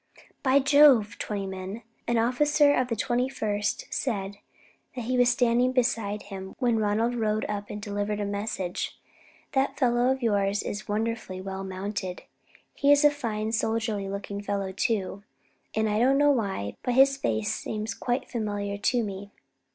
"By Jove, Twentyman," an officer of the 91st said as he was standing beside him when Ronald rode up and delivered a message, "that fellow of yours is wonderfully well mounted. He's a fine soldierly looking fellow, too, and I don't know why, but his face seems quite familiar to me."